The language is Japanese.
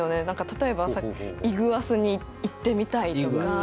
例えばイグアスに行ってみたいとか。